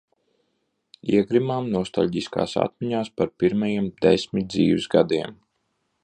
Iegrimām nostaļģiskās atmiņās par pirmajiem desmit dzīves gadiem.